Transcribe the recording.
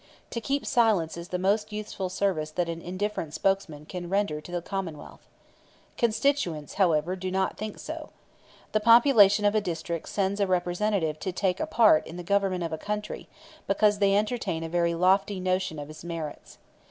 To keep silence is the most useful service that an indifferent spokesman can render to the commonwealth. Constituents, however, do not think so. The population of a district sends a representative to take a part in the government of a country, because they entertain a very lofty notion of his merits.